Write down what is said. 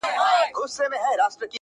اوس مي بُتکده دزړه آباده ده-